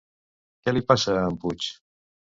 Què li passa a en Puig?